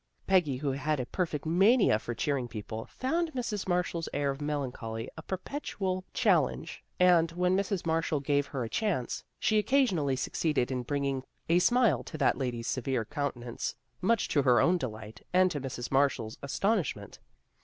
Peggy, who had a perfect mania for cheering people, found Mrs. Marshall's air of melancholy a perpetual chal 88 THE GIRLS OF FRIENDLY TERRACE lenge, and, when Mrs. Marshall gave her a chance, she occasionally succeeded in bringing a smile to that lady's severe countenance, much to her own delight, and to Mrs. Marsh all's astonishment.